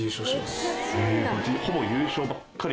ほぼ優勝ばっかり。